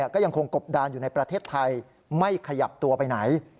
ก็ยังคงกบดานอยู่ในประเทศไทยไม่ขยับตัวไปไหน